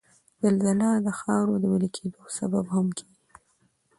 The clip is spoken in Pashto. زلزله د د خاورو د ویلي کېدو سبب هم کیږي